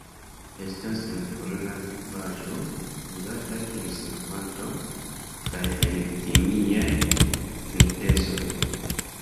Ĝi estas senkolora likvaĵo uzata kiel solvanto kaj en kemiaj sintezoj.